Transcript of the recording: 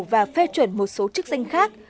và phê chuẩn một số chức danh khác